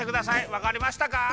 わかりましたか？